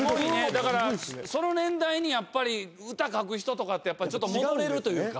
だからその年代にやっぱり歌かく人とかってやっぱりちょっと戻れるというか。